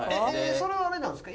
それはあれなんですか？